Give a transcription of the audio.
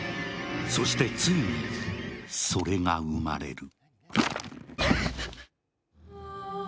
そして、ついにそれが生まれる。